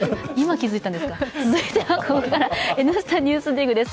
続いては「Ｎスタ・ＮＥＷＳＤＩＧ」です。